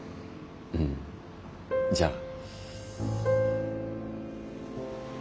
うんじゃあまた。